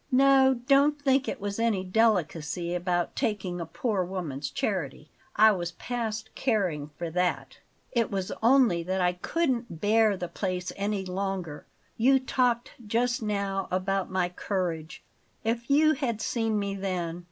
No, don't think it was any delicacy about taking a poor woman's charity I was past caring for that; it was only that I couldn't bear the place any longer. You talked just now about my courage; if you had seen me then!